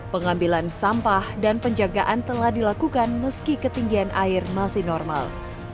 pengambilan sampah dan penjagaan telah dilakukan meski ketinggian air masih normal